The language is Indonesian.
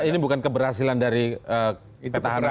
ini bukan keberhasilan dari petahana